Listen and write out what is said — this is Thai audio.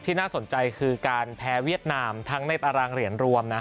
น่าสนใจคือการแพ้เวียดนามทั้งในตารางเหรียญรวมนะ